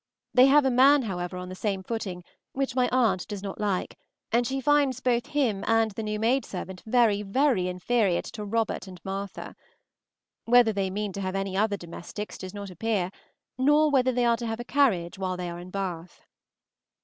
They have a man, however, on the same footing, which my aunt does not like, and she finds both him and the new maid servant very, very inferior to Robert and Martha. Whether they mean to have any other domestics does not appear, nor whether they are to have a carriage while they are in Bath.